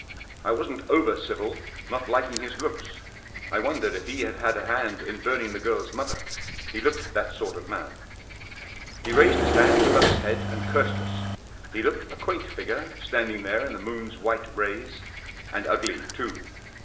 I wasn't over civil, not liking his looks. I wondered if he had had a hand in burning the girl's mother. He looked that sort of man. He raised his hands above his head and cursed us. He looked a quaint figure, standing there in the moon's white rays. And ugly too.